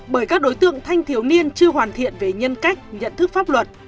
bởi các đối tượng thanh thiếu niên chưa hoàn thiện về nhân cách nhận thức pháp luật